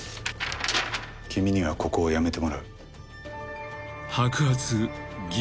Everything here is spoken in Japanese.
「君にはここを辞めてもらう」［白髪義眼］